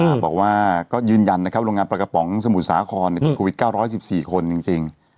บอกว่าก็ยืนยันนะครับโรงงานปลากระป๋องสมุทรสาครเนี่ยเป็นโควิดเก้าร้อยสิบสี่คนจริงจริง